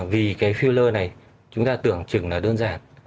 vì cái filler này chúng ta tưởng chừng là đơn giản